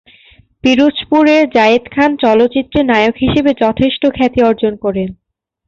পিরোজপুরের জায়েদ খান চলচ্চিত্রে নায়ক হিসেবে যথেষ্ট খ্যাতি অর্জন করেন।